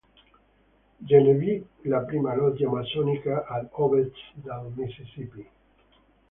Genevieve, la prima loggia massonica ad ovest del Mississippi.